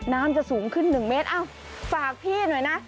น้ำจะสูงขึ้น๑เมตรอ้าวฝากพี่หน่อยนะ